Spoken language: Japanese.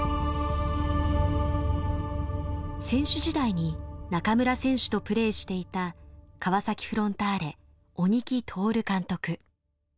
選手時代に中村選手とプレーしていた川崎フロンターレ鬼木達監督。